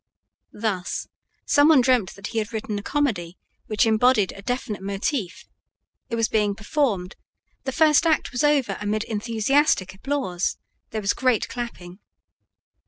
Thus, some one dreamt that he had written a comedy which embodied a definite motif; it was being performed; the first act was over amid enthusiastic applause; there was great clapping.